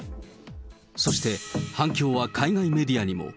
そして反響は海外メディアにも。